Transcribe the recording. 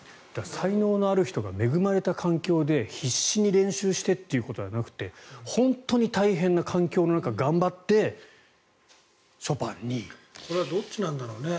才能のある人が恵まれた環境で必死に練習してということではなくて本当に大変な環境の中、頑張ってこれどっちなんだろうね。